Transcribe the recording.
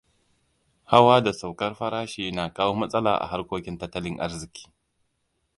Hawa da saukar farashi na kawo matsala a harkokin tattalin arziƙi.